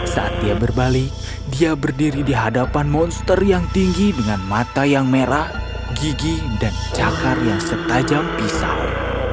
saat dia berbalik dia berdiri di hadapan monster yang tinggi dengan mata yang merah gigi dan cakar yang setajam pisau